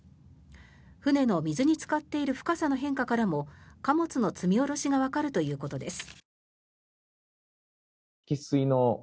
船の、水につかっている深さの変化からも貨物の積み下ろしがわかるということです。